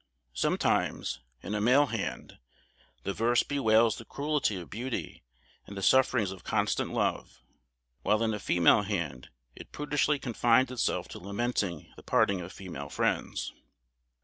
Sometimes, in a male hand, the verse bewails the cruelty of beauty and the sufferings of constant love; while in a female hand it prudishly confines itself to lamenting the parting of female friends.